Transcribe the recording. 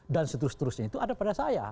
dan seterusnya itu ada pada saya